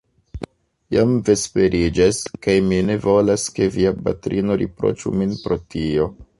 Jam vesperiĝas; kaj mi ne volas, ke via patrino riproĉu min pro tio.